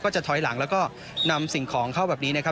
จะถอยหลังแล้วก็นำสิ่งของเข้าแบบนี้นะครับ